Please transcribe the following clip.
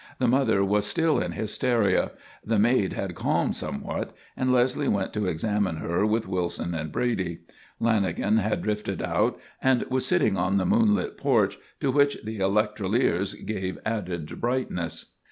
The mother was still in hysteria. The maid had calmed somewhat, and Leslie went to examine her with Wilson and Brady. Lanagan had drifted out and was sitting on the moonlit porch, to which the electroliers gave added brightness.